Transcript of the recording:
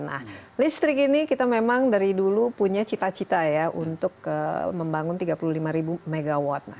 nah listrik ini kita memang dari dulu punya cita cita ya untuk membangun tiga puluh lima ribu megawatt